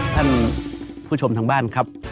ท่านผู้ชมทางบ้านครับ